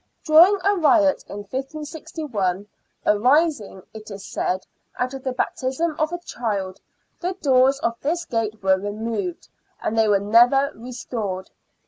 During a riot in 1561, arising, it is said, out of the baptising of a child, the doors of this gate were removed, and they were never restored.